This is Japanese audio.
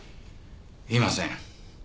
いません。